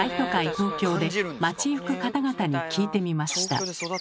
東京で街行く方々に聞いてみました。